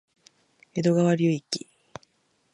江戸川流域